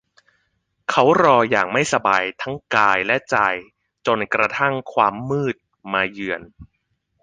เขารออย่างไม่สบายทั้งกายและใจจนกระทั่งความมืดมาเยือน